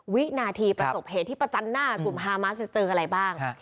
วินาทีประสบเหตุที่ประจันหน้ากลุ่มฮามาสจะเจออะไรบ้าง